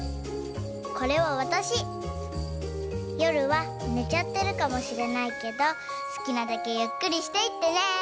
これはわたし。よるはねちゃってるかもしれないけどすきなだけゆっくりしていってね！